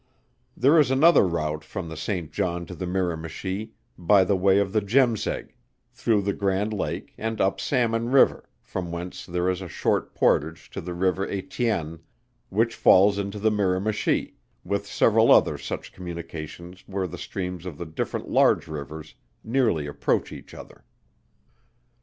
There is another route from the St. John to the Miramichi, by the way of the Jemseg, through the Grand Lake and up Salmon river, from whence there is a short portage to the river Etienne which falls into the Miramichi; with several other such communications where the streams of the different large rivers nearly approach each other.